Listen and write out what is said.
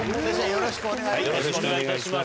よろしくお願いします。